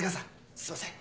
すいません。